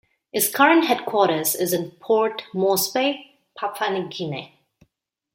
Its current headquarters is in Port Moresby, Papua New Guinea.